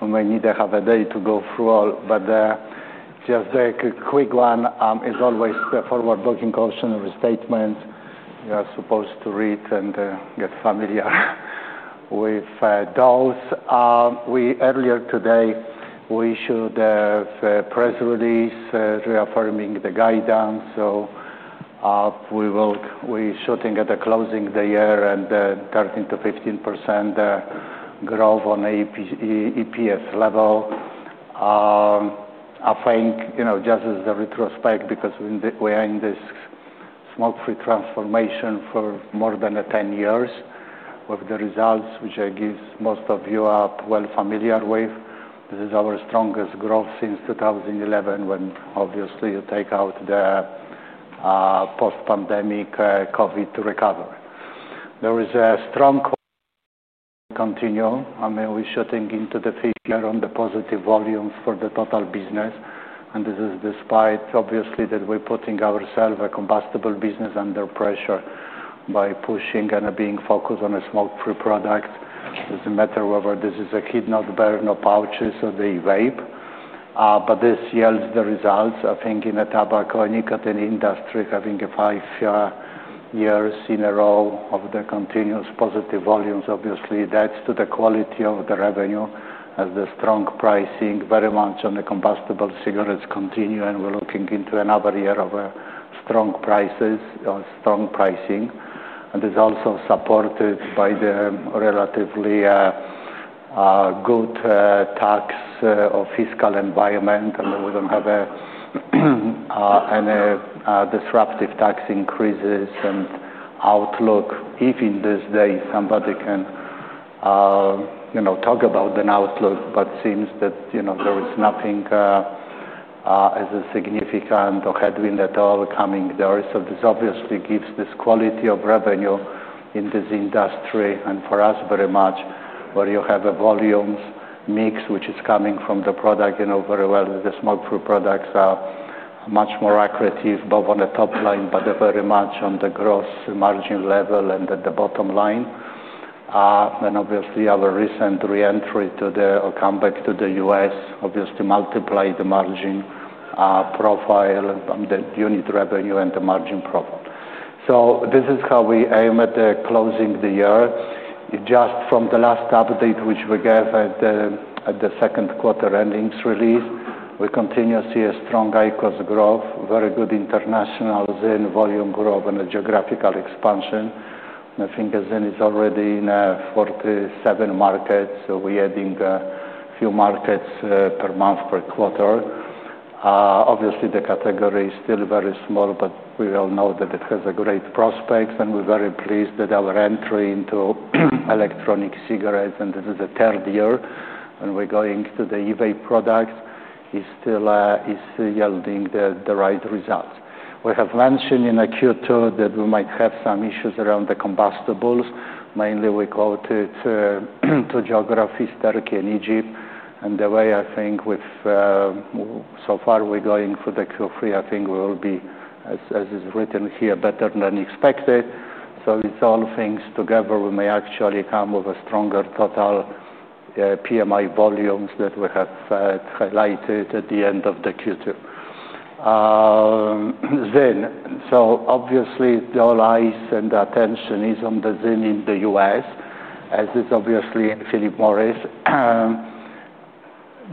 We may need half a day to go through all, but just take a quick one. As always, the forward-looking cautionary statements, you are supposed to read and get familiar with those. Earlier today, we should have a press release reaffirming the guidance. We will be shooting at the closing of the year and the 13%-15% growth on EPS level. I think, just as a retrospect, because we are in this smoke-free transformation for more than 10 years with the results, which I guess most of you are well familiar with. This is our strongest growth since 2011 when obviously you take out the post-pandemic COVID recovery. There is a strong continuum. I mean, we're shooting into the fifth year on the positive volumes for the total business. This is despite obviously that we're putting ourselves a combustible business under pressure by pushing and being focused on a smoke-free product. It doesn't matter whether this is a heat-not-burn, oral pouches, or the e-vape. This yields the results. I think in a tobacco and nicotine industry, having five years in a row of the continuous positive volumes, obviously that's to the quality of the revenue as the strong pricing very much on the combustible cigarettes continue. We're looking into another year of strong prices on strong pricing. It's also supported by the relatively good tax or fiscal environment. We don't have any disruptive tax increases and outlook. Even in this day, somebody can talk about an outlook, but it seems that there is nothing as a significant or headwind at all coming there. This obviously gives this quality of revenue in this industry. For us, very much where you have a volume mix which is coming from the product, you know very well that the smoke-free products are much more accretive both on the top line, but very much on the gross margin level and at the bottom line. Obviously, our recent re-entry to the U.S. or comeback to the U.S. obviously multiplied the margin profile and the unit revenue and the margin profile. This is how we aim at the closing of the year. Just from the last update which we gave at the second quarter earnings release, we continue to see a strong IQOS growth, very good international ZYN volume growth and a geographical expansion. I think ZYN is already in 47 markets. We're adding a few markets per month per quarter. Obviously, the category is still very small, but we all know that it has a great prospect. We're very pleased that our entry into electronic cigarettes, and this is the third year when we're going into the e-vapor products, is still yielding the right results. We have mentioned in Q2 that we might have some issues around the combustibles. Mainly, we quoted two geographies, Turkey and Egypt. The way I think we've so far, we're going for Q3, I think we will be, as is written here, better than expected. It's all things together. We may actually come with a stronger total PMI volumes that we have highlighted at the end of Q2. ZYN, obviously, all eyes and the attention is on ZYN in the U.S., as is obviously Philip Morris.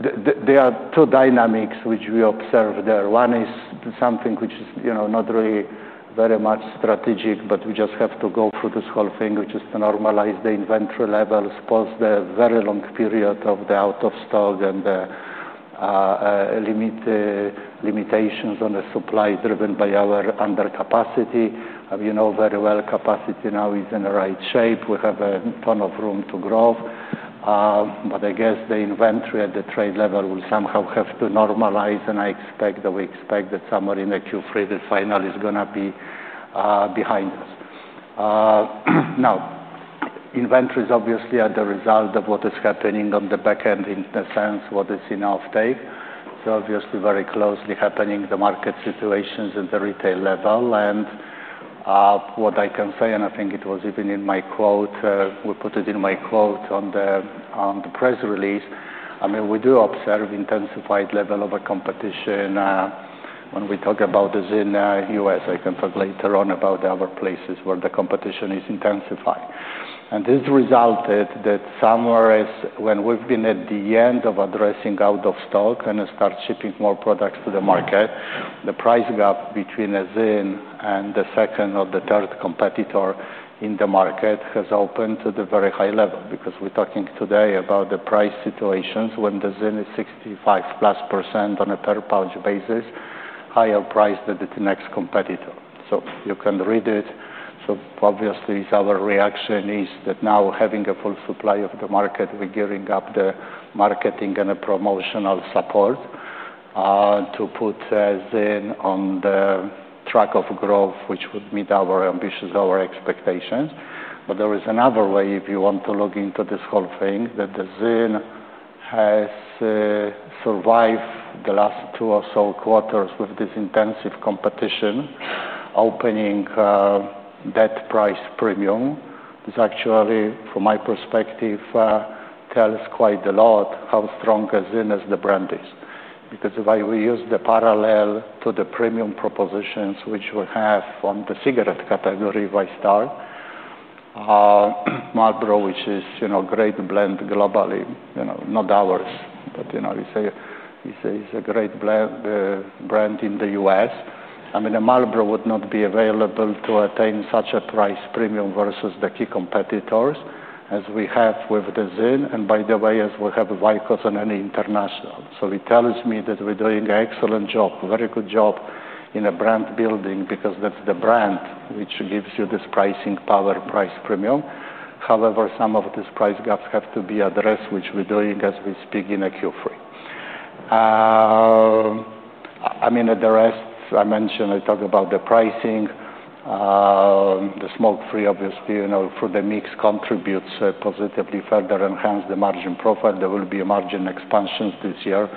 There are two dynamics which we observe there. One is something which is not really very much strategic, but we just have to go through this whole thing, which is to normalize the inventory levels, post the very long period of the out of stock and the limitations on the supply driven by our undercapacity. You know very well capacity now is in the right shape. We have a ton of room to grow. I guess the inventory at the trade level will somehow have to normalize. I expect that we expect that somewhere in Q3, the final is going to be behind us. Now, inventories obviously are the result of what is happening on the back end in the sense what is in off-take. Obviously, very closely happening the market situations and the retail level. What I can say, and I think it was even in my quote, we put it in my quote on the press release. I mean, we do observe intensified level of competition when we talk about ZYN U.S. I can talk later on about the other places where the competition is intensifying. This resulted that somewhere is when we've been at the end of addressing out of stock and start shipping more products to the market, the price gap between ZYN and the second or the third competitor in the market has opened to the very high level because we're talking today about the price situations when ZYN is 65%+ on a per pound basis, higher price than its next competitor. You can read it. Obviously, our reaction is that now having a full supply of the market, we're gearing up the marketing and the promotional support to put ZYN on the track of growth, which would meet our ambitions, our expectations. There is another way if you want to look into this whole thing that ZYN has survived the last two or so quarters with this intensive competition, opening that price premium. This actually, from my perspective, tells quite a lot how strong ZYN as the brand is because if I will use the parallel to the premium propositions which we have on the cigarette category, Werner Barth, Marlboro, which is a great brand globally, you know not ours, but you know we say it's a great brand in the U.S. I mean, a Marlboro would not be available to attain such a price premium versus the key competitors as we have with ZYN. By the way, as we have IQOS and any international. It tells me that we're doing an excellent job, very good job in brand building because that's the brand which gives you this pricing power, price premium. However, some of these price gaps have to be addressed, which we're doing as we speak in Q3. The rest I mentioned, I talk about the pricing. The smoke-free, obviously, you know through the mix contributes positively, further enhance the margin profile. There will be a margin expansion this year.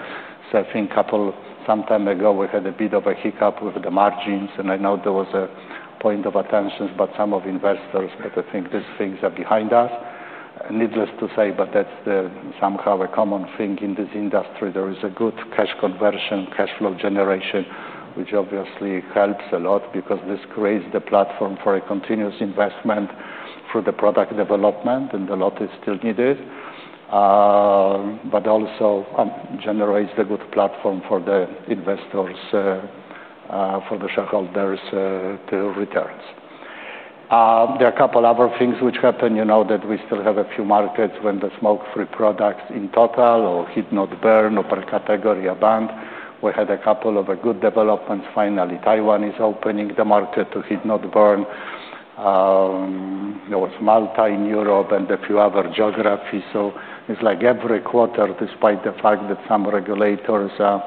I think a couple of sometime ago, we had a bit of a hiccup with the margins. I know there was a point of attention by some of the investors, but I think these things are behind us. Needless to say, that's somehow a common thing in this industry. There is a good cash conversion, cash flow generation, which obviously helps a lot because this creates the platform for a continuous investment through the product development. A lot is still needed, but also generates a good platform for the investors, for the shareholders to returns. There are a couple of other things which happen. You know that we still have a few markets when the smoke-free products in total or heat-not-burn per category abound. We had a couple of good developments. Finally, Taiwan is opening the market to heat-not-burn. There was Malta in Europe and a few other geographies. It's like every quarter, despite the fact that some regulators are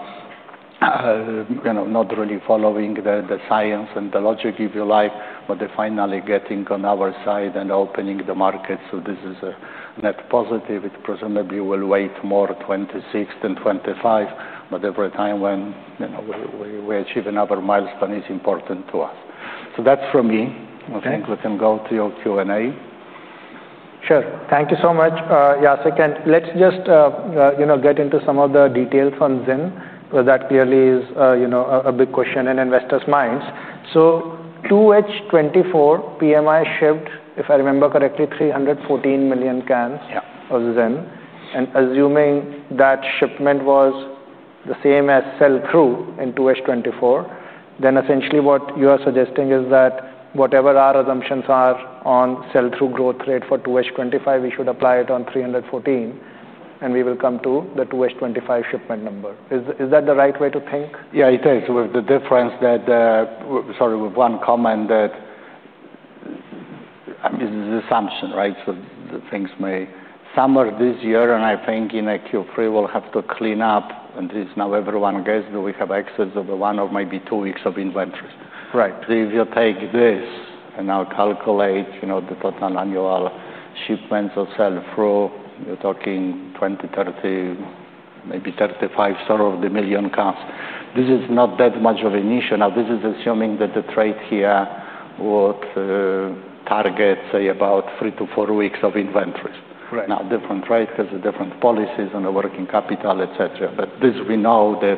not really following the science and the logic of your life, but they're finally getting on our side and opening the market. This is a net positive. It presumably will wait more 2026 than 2025. Every time when you know we achieve another milestone, it's important to us. That's from me. I think we can go to your Q&A. Sure. Thank you so much, Jacek. Let's just get into some of the details on ZYN because that clearly is a big question in investors' minds. For 2H 2024, PMI shipped, if I remember correctly, 314 million cans of ZYN. Assuming that shipment was the same as sell-through in 2H 2024, essentially what you are suggesting is that whatever our assumptions are on sell-through growth rate for 2H 2025, we should apply it on 314, and we will come to the 2H 2025 shipment number. Is that the right way to think? Yeah, it is with the difference that, sorry, with one comment that I mean, this is an assumption, right? The things may, somewhere this year, and I think in Q3, we'll have to clean up. This is now everyone guessed that we have excess of one or maybe two weeks of inventories. Right. If you take this and now calculate, you know, the total annual shipments or sell-through, you're talking 20, 30, maybe 35 million cans. This is not that much of an issue. This is assuming that the trade here would target, say, about three to four weeks of inventories. Different rate because of different policies and the working capital, et cetera. We know that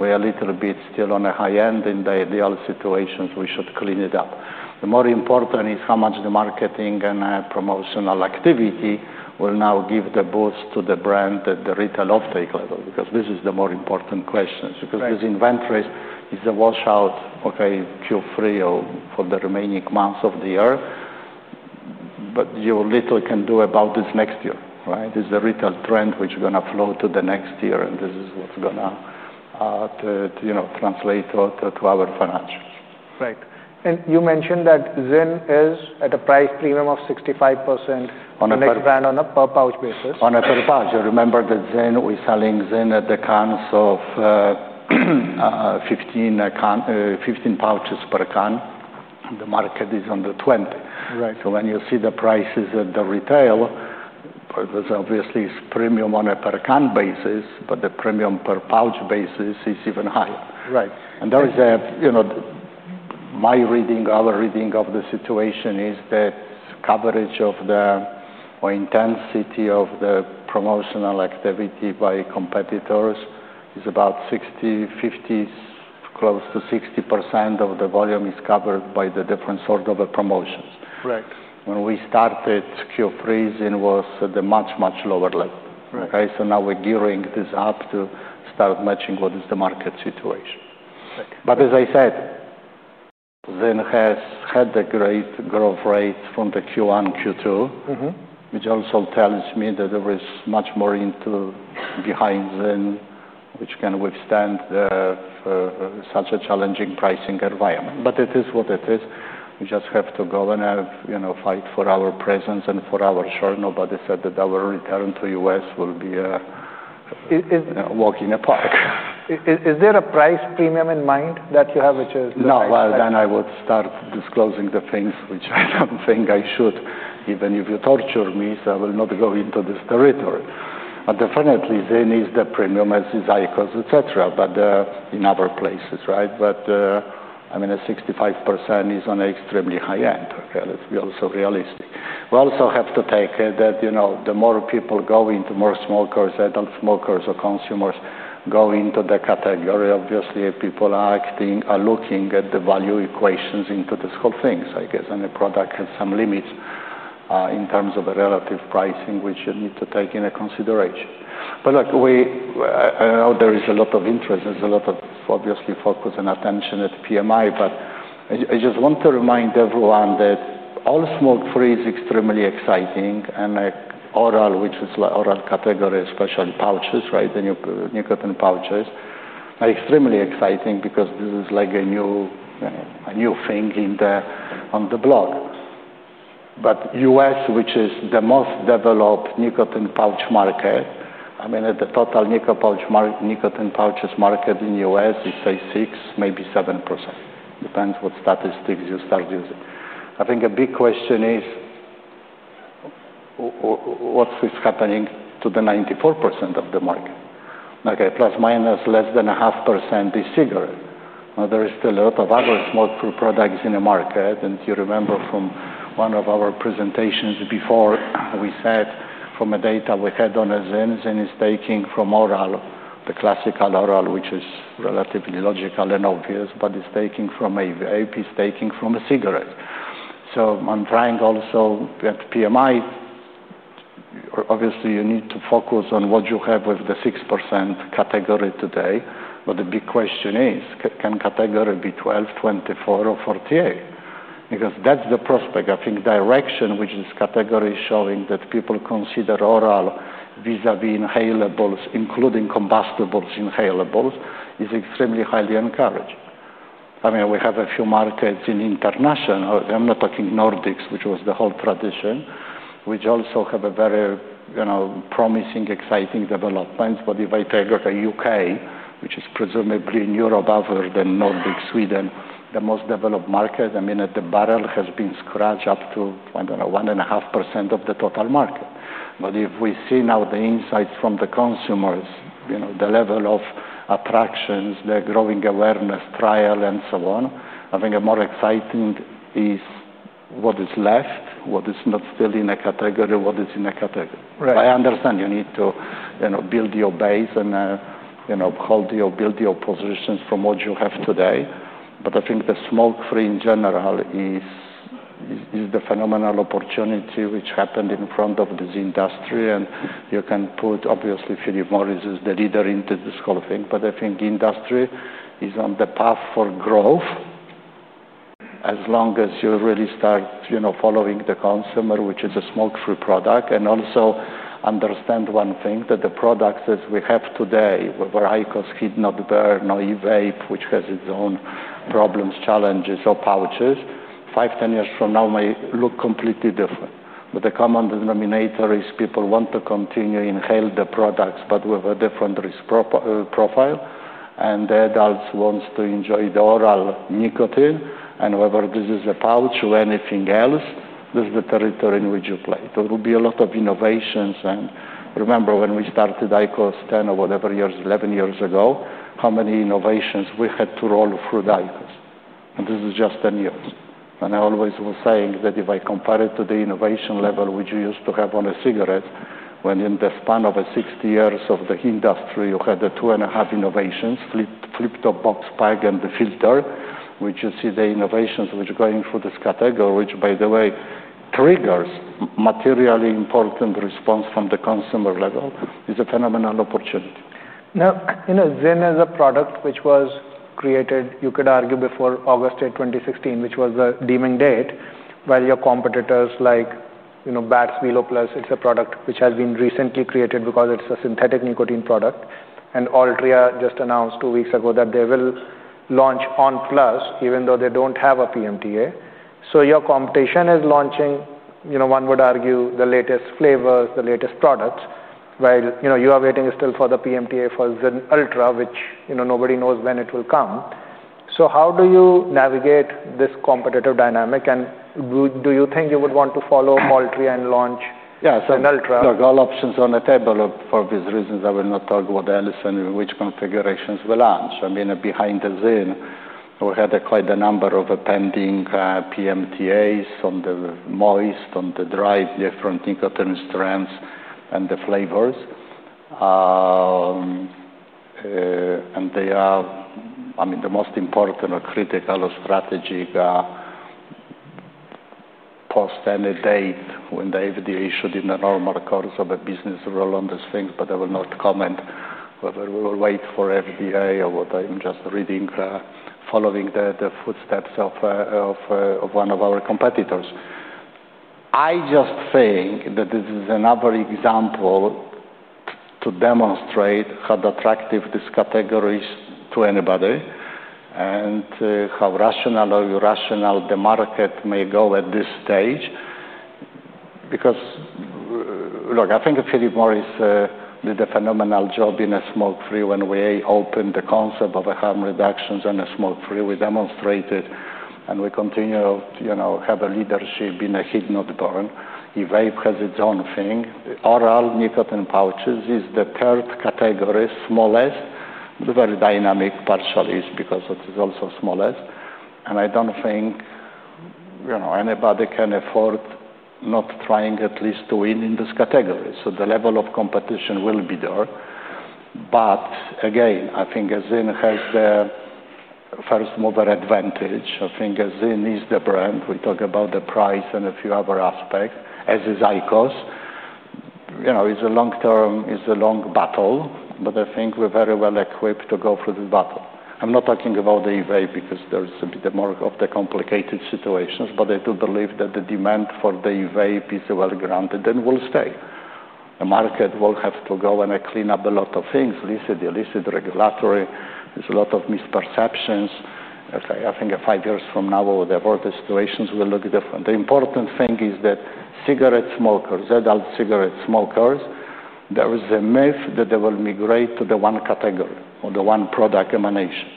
we are a little bit still on the high end. In the ideal situations, we should clean it up. The more important is how much the marketing and promotional activity will now give the boost to the brand at the retail off-take level because this is the more important questions. These inventories is a washout, Q3 or for the remaining months of the year. You little can do about this next year, right? It's a retail trend which is going to flow to the next year. This is what's going to translate to our financials. Right. You mentioned that ZYN is at a price premium of 65% on a per brand, on a per pouch basis. On a per pouch. I remember that ZYN, we're selling ZYN at the cans of 15 pouches per can. The market is on the 20. Right. When you see the prices at the retail, it was obviously premium on a per can basis, but the premium per pouch basis is even higher. Right. My reading, our reading of the situation is that coverage of the or intensity of the promotional activity by competitors is about 50%, 60%, close to 60% of the volume is covered by the different sort of promotions. Right. When we started Q3, ZYN was at a much, much lower level. Right. Okay, now we're gearing this up to start matching what is the market situation. Right. As I said, ZYN has had a great growth rate from Q1, Q2, which also tells me that there is much more behind ZYN, which can withstand such a challenging pricing environment. It is what it is. We just have to go and fight for our presence and for our share. Nobody said that our return to the U.S. will be a walk in a park. Is there a price premium in mind that you have, which is? No, I would start disclosing the things which I don't think I should, even if you torture me. I will not go into this territory. Definitely, ZYN is the premium as is IQOS, et cetera, but in other places, right? I mean, a 65% is on an extremely high end. Let's be also realistic. We also have to take it that, you know, the more people go into, more smokers, adult smokers, or consumers go into the category, obviously, people are acting, are looking at the value equations into this whole thing. I guess a product has some limits in terms of relative pricing, which you need to take into consideration. Look, I know there is a lot of interest. There's a lot of, obviously, focus and attention at PMI, but I just want to remind everyone that all smoke-free is extremely exciting. An oral, which is the oral category, especially pouches, right? The nicotine pouches are extremely exciting because this is like a new, a new thing on the block. The U.S., which is the most developed nicotine pouch market, I mean, at the total nicotine pouches market in the U.S., it's a 6%, maybe 7%. Depends what statistics you start using. I think a big question is, what is happening to the 94% of the market? ±<0.5% is cigarette. There are still a lot of other smoke-free products in the market. You remember from one of our presentations before, we said from data we had on ZYN, ZYN is taking from oral, the classical oral, which is relatively logical and obvious, but it's taking from a vape, it's taking from a cigarette. I'm trying also at PMI, obviously, you need to focus on what you have with the 6% category today. The big question is, can category be 12%, 24%, or 48%? That's the prospect. I think direction, which is category showing that people consider oral vis-à-vis inhalables, including combustibles, inhalables, is extremely highly encouraged. We have a few markets in international. I'm not talking Nordics, which was the whole tradition, which also have very promising, exciting developments. If I tell you the U.K., which is presumably in Europe other than Nordics, Sweden, the most developed market, I mean, the barrel has been scratched up to, I don't know, 1.5% of the total market. If we see now the insights from the consumers, you know, the level of attractions, the growing awareness, trial, and so on, I think more exciting is what is left, what is not still in a category, what is in a category. Right. I understand you need to, you know, build your base and, you know, hold your, build your positions from what you have today. I think the smoke-free in general is the phenomenal opportunity which happened in front of this industry. You can put, obviously, Philip Morris is the leader into this whole thing. I think the industry is on the path for growth as long as you really start, you know, following the consumer, which is a smoke-free product. Also understand one thing that the products as we have today, where IQOS, heat-not-burn, no e-vapor, which has its own problems, challenges, or pouches, five, ten years from now may look completely different. The common denominator is people want to continue to inhale the products, but with a different risk profile. The adults want to enjoy the oral nicotine. Whether this is a pouch or anything else, this is the territory in which you play. There will be a lot of innovations. Remember when we started IQOS 10 or whatever years, 11 years ago, how many innovations we had to roll through the IQOS. This is just 10 years. I always was saying that if I compare it to the innovation level which you used to have on a cigarette, when in the span of 60 years of the industry, you had the two and a half innovations, flip-top box pack and the filter, which you see the innovations which are going through this category, which by the way triggers a materially important response from the consumer level, is a phenomenal opportunity. Now, you know, ZYN is a product which was created, you could argue, before August 8, 2016, which was the deeming date, while your competitors like BAT's VELO PLUS, it's a product which has been recently created because it's a synthetic nicotine product. Altria just announced two weeks ago that they will launch on! PLUS, even though they don't have a PMTA. Your competition is launching, you know, one would argue, the latest flavors, the latest products, while you are waiting still for the PMTA for ZYN Ultra, which, you know, nobody knows when it will come. How do you navigate this competitive dynamic? Do you think you would want to follow Altria and launch ZYN Ultra? Yeah, so look, all options on the table for these reasons. I will not talk about the Ellison, which configurations we launch. I mean, behind the ZYN, we had quite a number of pending PMTAs on the moist, on the dry, different nicotine strands and the flavors. They are, I mean, the most important or critical or strategic post any date when the FDA issued in the normal course of a business rule on these things, but I will not comment. However, we will wait for FDA or what I'm just reading, following the footsteps of one of our competitors. I just think that this is another example to demonstrate how attractive this category is to anybody and how rational or irrational the market may go at this stage. Because look, I think Philip Morris did a phenomenal job in smoke-free when we opened the concept of harm reductions and smoke-free. We demonstrated and we continue, you know, have a leadership in heat-not-burn. E-vapor have their own thing. Oral nicotine pouches is the third category, smallest, the very dynamic partial is because it is also smallest. I don't think, you know, anybody can afford not trying at least to win in this category. The level of competition will be there. Again, I think ZYN has the first mover advantage. I think ZYN is the brand. We talk about the price and a few other aspects, as is IQOS. You know, it's a long term, it's a long battle, but I think we're very well equipped to go through this battle. I'm not talking about the e-vapor because there's a bit more of the complicated situations, but I do believe that the demand for the e-vapor is well-grounded and will stay. The market will have to go and clean up a lot of things, listed the illicit regulatory. There's a lot of misperceptions. I think five years from now or whatever, the situations will look different. The important thing is that cigarette smokers, adult cigarette smokers, there is a myth that they will migrate to the one category or the one product emanation.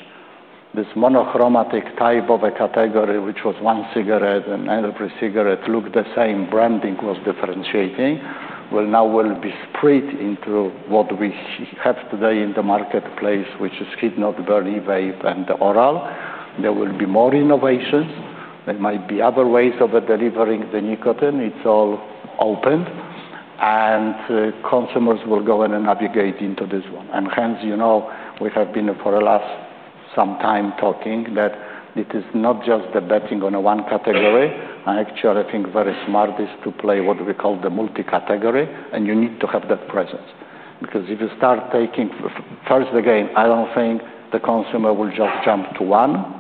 This monochromatic type of a category, which was one cigarette and every cigarette looked the same, branding was differentiating, will now be split into what we have today in the marketplace, which is heat-not-burn, e-vapor, and the oral. There will be more innovations. There might be other ways of delivering the nicotine. It's all opened. Consumers will go in and navigate into this one. Hence, you know, we have been for the last some time talking that it is not just the betting on one category. I actually think very smart is to play what we call the multi-category. You need to have that presence because if you start taking first, again, I don't think the consumer will just jump to one.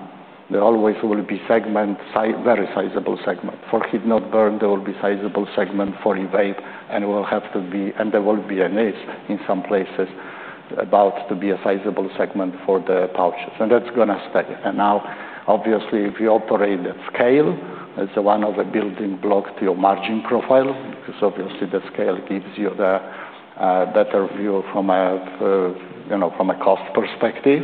There always will be segments, very sizable segments. For heat-not-burn, there will be sizable segments for e-vapor. It will have to be, and there will be a niche in some places about to be a sizable segment for the pouches. That's going to stay. Obviously, if you operate at scale, it's one of the building blocks to your margin profile because obviously the scale gives you the better view from a, you know, from a cost perspective.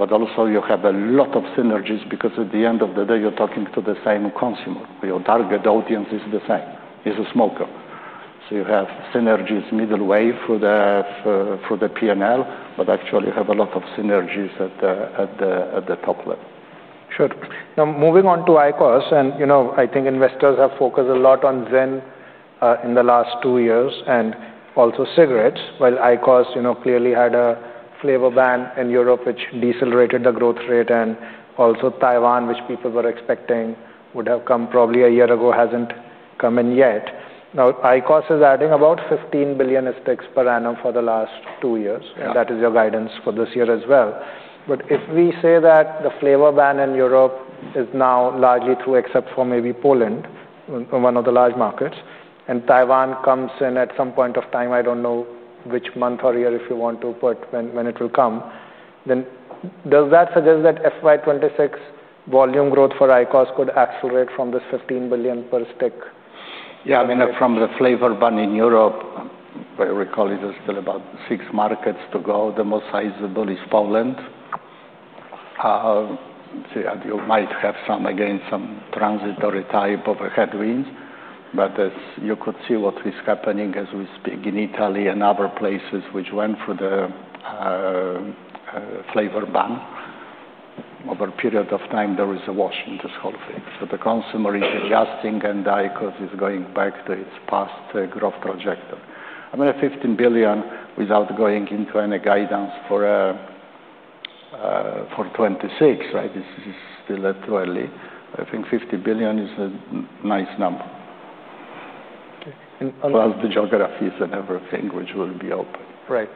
Also, you have a lot of synergies because at the end of the day, you're talking to the same consumer. Your target audience is the same. It's a smoker. You have synergies middle way through the PNL, but actually, you have a lot of synergies at the top level. Sure. Now, moving on to IQOS, and you know, I think investors have focused a lot on ZYN in the last two years and also cigarettes. While IQOS, you know, clearly had a flavor ban in Europe, which decelerated the growth rate, and also Taiwan, which people were expecting would have come probably a year ago, hasn't come in yet. Now, IQOS is adding about $15 billion of sticks per annum for the last two years, and that is your guidance for this year as well. If we say that the flavor ban in Europe is now largely through, except for maybe Poland, one of the large markets, and Taiwan comes in at some point of time, I don't know which month or year if you want to put when it will come, does that suggest that FY 2026 volume growth for IQOS could accelerate from this $15 billion per stick? Yeah, I mean, from the flavor ban in Europe, I recall it is still about six markets to go. The most sizable is Poland. You might have some, again, some transitory type of headwinds, but you could see what is happening as we speak in Italy and other places which went through the flavor ban over a period of time. There is a wash in this whole thing. The consumer is adjusting, and IQOS is going back to its past growth trajectory. I mean, $15 billion without going into any guidance for 2026, right? This is still too early. I think $15 billion is a nice number. Okay. Plus the geographies and everything, which will be open. Right.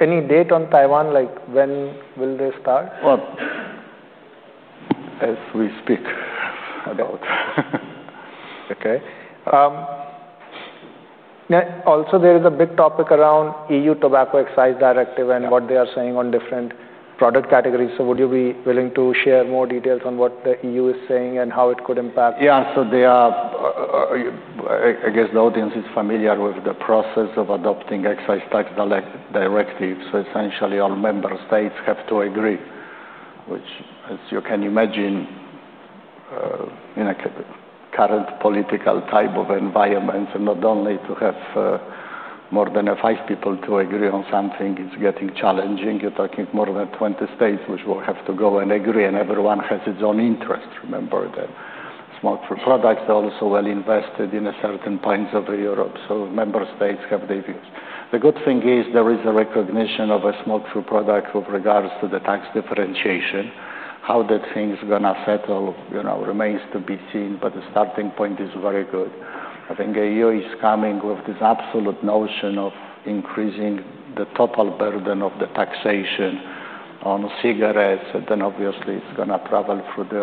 Any date on Taiwan, like when will they start? Less we speak about it. Okay. Now, also, there is a big topic around the EU Tobacco Excise Directive and what they are saying on different product categories. Would you be willing to share more details on what the EU is saying and how it could impact? Yeah, so they are, I guess the audience is familiar with the process of adopting excise tax directives. Essentially, all member states have to agree, which, as you can imagine, in a current political type of environment, and not only to have more than five people to agree on something, it's getting challenging. You're talking more than 20 states which will have to go and agree, and everyone has its own interest. Remember that smoke-free products are also well invested in certain points of Europe. Member states have their views. The good thing is there is a recognition of a smoke-free product with regards to the tax differentiation. How that thing is going to settle, you know, remains to be seen, but the starting point is very good. I think the EU is coming with this absolute notion of increasing the total burden of the taxation on cigarettes, and obviously it's going to travel through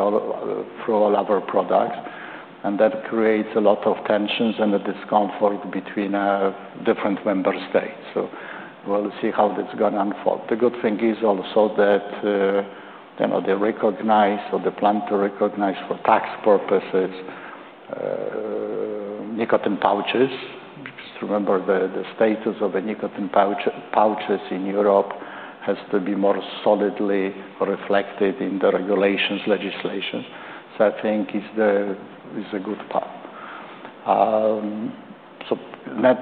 all other products. That creates a lot of tensions and a discomfort between different member states. We'll see how that's going to unfold. The good thing is also that they recognize or they plan to recognize for tax purposes nicotine pouches. Just remember the status of the nicotine pouches in Europe has to be more solidly reflected in the regulations legislation. I think it's a good part.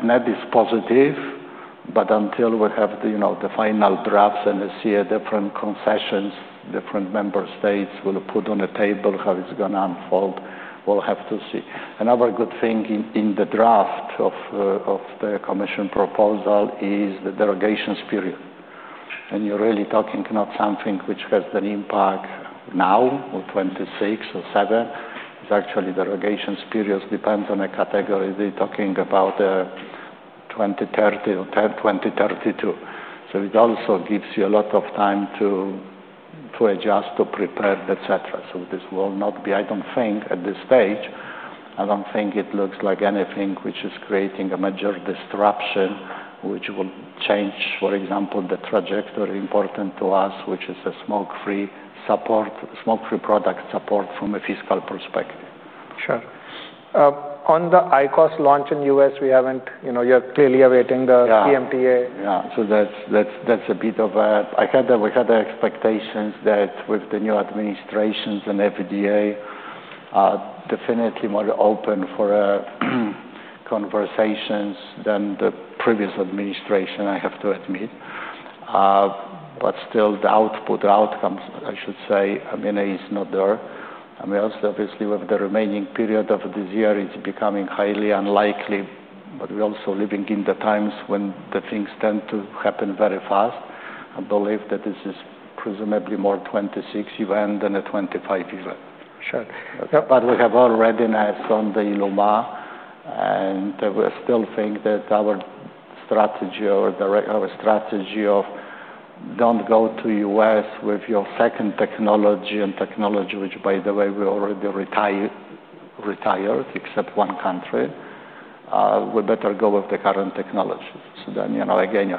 Net is positive, but until we have the final drafts and see different concessions, different member states will put on the table how it's going to unfold, we'll have to see. Another good thing in the draft of the commission proposal is the derogations period. You're really talking not something which has an impact now or 2026 or 2027. It's actually derogations periods depend on a category. They're talking about 2030 or 2032. It also gives you a lot of time to adjust, to prepare, et cetera. This will not be, I don't think at this stage, I don't think it looks like anything which is creating a major disruption which will change, for example, the trajectory important to us, which is a smoke-free support, smoke-free product support from a fiscal perspective. Sure. On the IQOS launch in the U.S., you're clearly awaiting the PMTA. That's a bit of a, we had expectations that with the new administrations and FDA definitely more open for conversations than the previous administration, I have to admit. Still, the output, the outcomes, I should say, it's not there. Obviously, with the remaining period of this year, it's becoming highly unlikely, but we're also living in the times when things tend to happen very fast. I believe that this is presumably more 2026 events than a 2025 event. Sure. We have already now found the ILUMA, and we still think that our strategy or our strategy of don't go to the U.S. with your second technology and technology, which by the way, we already retired, except one country. We better go with the current technology. You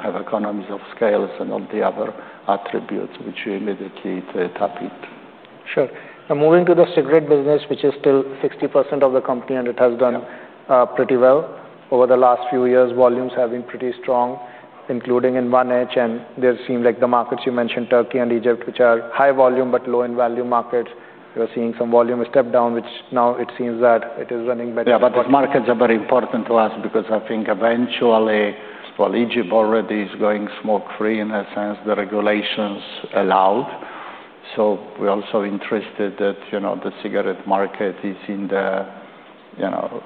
have economies of scale and all the other attributes which you immediately tap into. Sure. Now, moving to the Cigarette business, which is still 60% of the company, and it has done pretty well. Over the last few years, volumes have been pretty strong, including in one edge, and there seem like the markets you mentioned, Turkey and Egypt, which are high volume but low in value markets, they're seeing some volume step down, which now it seems that it is running better. Yeah, but those markets are very important to us because I think eventually for Egypt already is going smoke-free in a sense the regulations allowed. We're also interested that, you know, the cigarette market is in the, you know,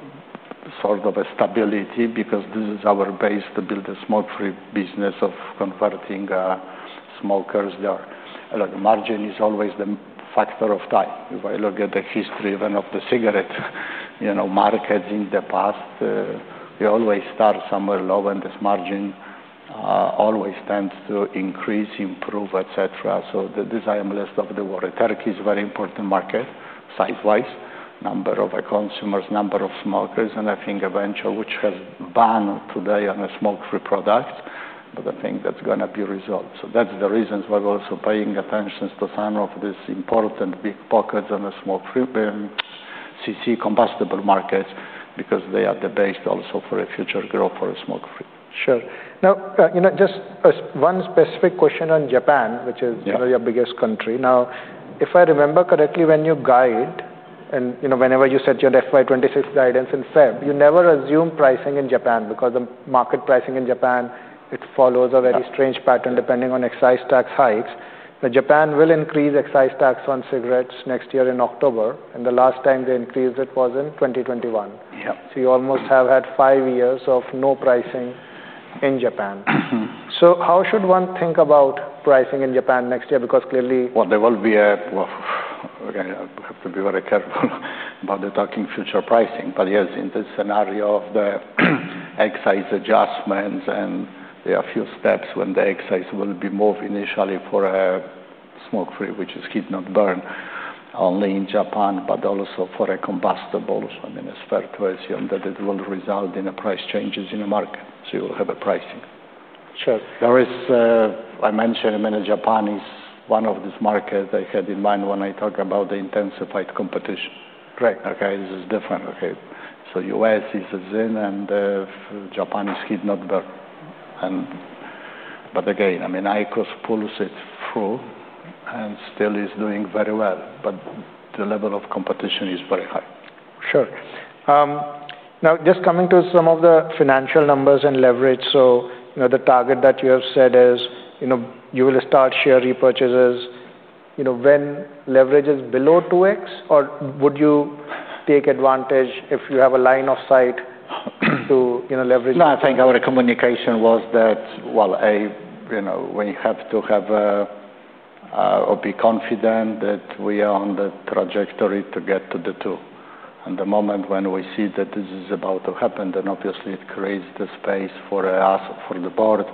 sort of a stability because this is our base to build a smoke-free business of converting smokers there. Like margin is always the factor of time. If I look at the history even of the cigarette, you know, markets in the past, you always start somewhere low and this margin always tends to increase, improve, etc. This I am less of the worry. Turkey is a very important market, size-wise, number of consumers, number of smokers, and I think a venture which has banned today on a smoke-free product, but I think that's going to be resolved. That's the reasons why we're also paying attention to some of these important big pockets on a smoke-free burn CC combustible markets because they are the base also for a future growth for a smoke-free. Sure. Now, just one specific question on Japan, which is your biggest country. If I remember correctly, when you guide, and whenever you said your FY 2026 guidance in February, you never assume pricing in Japan because the market pricing in Japan follows a very strange pattern depending on excise tax hikes. Japan will increase excise tax on cigarettes next year in October, and the last time they increased it was in 2021. Yeah. You almost have had five years of no pricing in Japan. How should one think about pricing in Japan next year? Clearly. I have to be very careful about talking future pricing. Yes, in this scenario of the excise adjustments, and there are a few steps when the excise will be moved initially for a smoke-free, which is heat-not-burn, only in Japan, but also for a combustible. I mean, it's fair to assume that it will result in price changes in the market, so you will have a pricing. Sure. I mentioned Japan is one of these markets I had in mind when I talk about the intensified competition. Right. Okay, this is different. Okay. The U.S. is a ZYN and Japan is heat-not-burn. IQOS pulls it through and still is doing very well, but the level of competition is very high. Sure. Now, just coming to some of the financial numbers and leverage. The target that you have said is you will start share repurchases when leverage is below 2X, or would you take advantage if you have a line of sight to leverage? No, I think our communication was that, you know, when you have to have a, or be confident that we are on the trajectory to get to the two. The moment when we see that this is about to happen, it obviously creates the space for us, for the board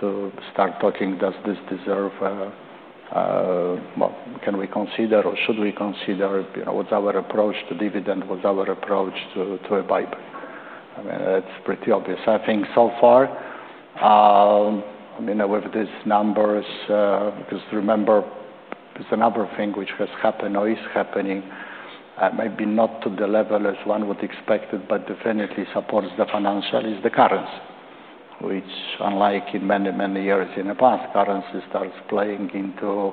to start talking, does this deserve, can we consider or should we consider, you know, what's our approach to dividend, what's our approach to a bib. I mean, that's pretty obvious. I think so far, with these numbers, because remember, there's another thing which has happened or is happening, maybe not to the level as one would expect it, but definitely supports the financial is the currency, which unlike in many, many years in the past, currency starts playing into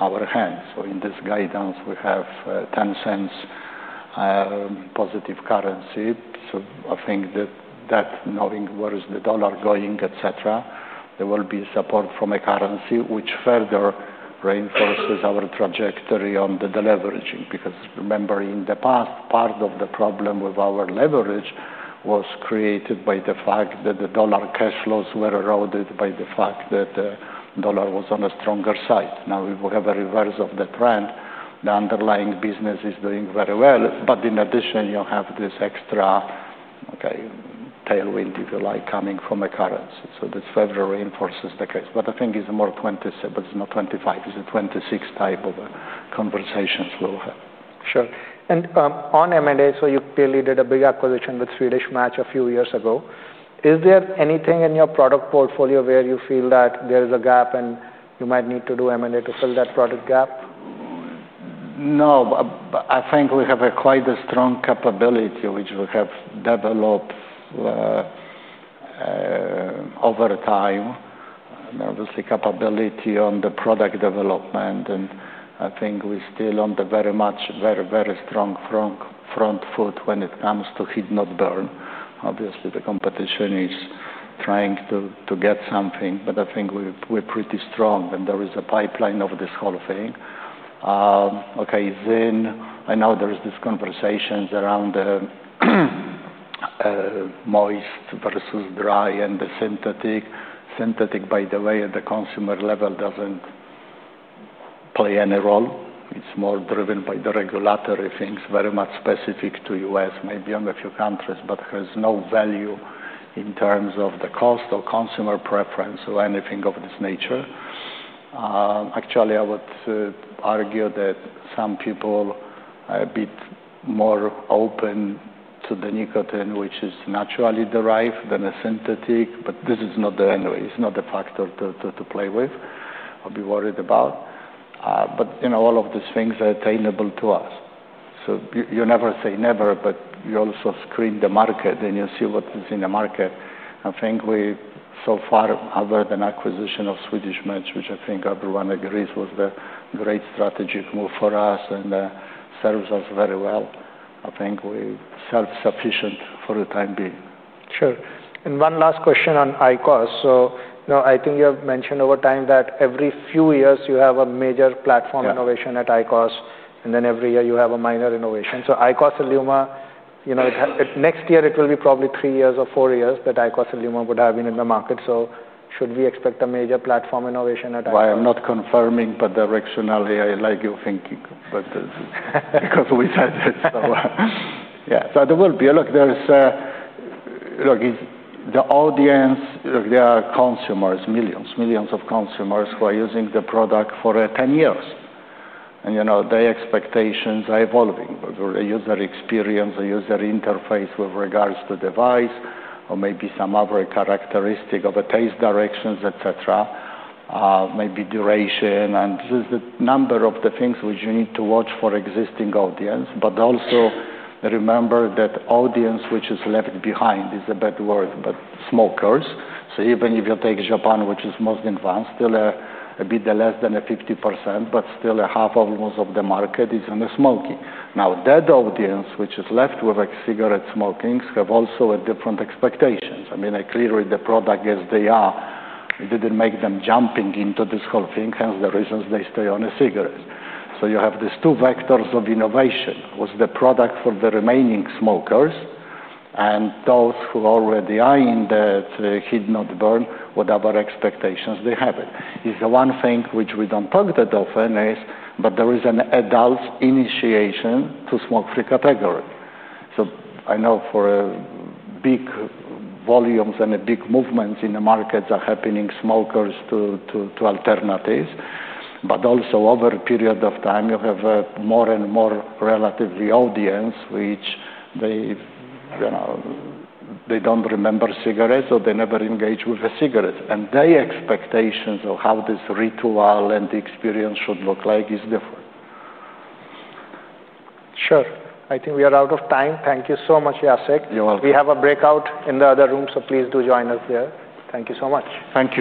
our hands. In this guidance, we have $0.10 positive currency. I think that knowing where is the dollar going, et cetera, there will be support from a currency which further reinforces our trajectory on the leveraging. Remember in the past, part of the problem with our leverage was created by the fact that the dollar cash flows were eroded by the fact that the dollar was on a stronger side. Now we have a reverse of the trend. The underlying business is doing very well. In addition, you have this extra, okay, tailwind, if you like, coming from a currency. This further reinforces the case. I think it's more 2027, it's not 2025, it's a 2026 type of conversations we'll have. Sure. On M&A, you clearly did a big acquisition with Swedish Match a few years ago. Is there anything in your product portfolio where you feel that there is a gap and you might need to do M&A to fill that product gap? No, but I think we have quite a strong capability which we have developed over time. Obviously, capability on the product development. I think we're still on the very much, very, very strong front foot when it comes to heat-not-burn. Obviously, the competition is trying to get something, but I think we're pretty strong. There is a pipeline of this whole thing. I know there are these conversations around the moist versus dry and the synthetic. Synthetic, by the way, at the consumer level doesn't play any role. It's more driven by the regulatory things, very much specific to the U.S., maybe on a few countries, but has no value in terms of the cost or consumer preference or anything of this nature. Actually, I would argue that some people are a bit more open to the nicotine, which is naturally derived than a synthetic, but this is not the factor to play with or be worried about. All of these things are attainable to us. You never say never, but you also screen the market and you see what is in the market. I think we so far, other than the acquisition of Swedish Match, which I think everyone agrees was the great strategic move for us and serves us very well, I think we're self-sufficient for the time being. Sure. One last question on IQOS. I think you have mentioned over time that every few years you have a major platform innovation at IQOS, and then every year you have a minor innovation. IQOS ILUMA, you know, next year it will be probably three years or four years that IQOS ILUMA would have been in the market. Should we expect a major platform innovation at IQOS? I'm not confirming, but directionally I like your thinking. Because we said this, yeah, there will be, look, there's, the audience, there are consumers, millions, millions of consumers who are using the product for 10 years. You know, their expectations are evolving with the user experience, the user interface with regards to the device, or maybe some other characteristic of the taste directions, etc., maybe duration. This is the number of the things which you need to watch for existing audience. Also remember that audience which is left behind is a bad word, but smokers. Even if you take Japan, which is most advanced, still a bit less than 50%, but still almost half of the market is on smoking. Now that audience which is left with cigarette smoking have also different expectations. Clearly the product as they are, it didn't make them jumping into this whole thing. Hence the reasons they stay on a cigarette. You have these two vectors of innovation with the product for the remaining smokers and those who already are in that heat-not-burn, whatever expectations they have. One thing which we don't talk that often is, but there is an adult initiation to smoke-free category. I know for big volumes and big movements in the markets are happening, smokers to alternatives, but also over a period of time you have more and more relative audience which they don't remember cigarettes or they never engage with a cigarette. Their expectations of how this ritual and the experience should look like is different. Sure. I think we are out of time. Thank you so much, Jacek. You're welcome. We have a breakout in the other room, so please do join us here. Thank you so much. Thank you.